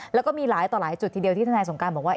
แล้วก็มีหลายต่อหลายจุดทีเดียวที่ทนายสงการบอกว่า